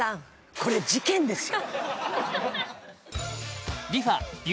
これ事件ですよ